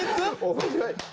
面白い！